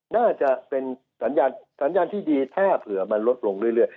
น่าจะเป็นสัญญาณที่ดีถ้าเผื่อมันลดลงเรื่อย